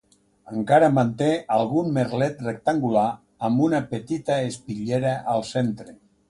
Encara manté algun merlet rectangular, amb una petita espitllera al centre.